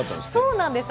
そうなんです。